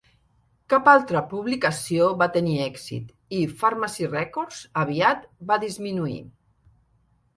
Cap altra publicació va tenir èxit, i Fharmacy Records aviat va disminuir.